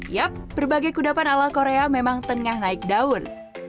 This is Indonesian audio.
yap berbagai kudapan ala korea memang tengah naik daun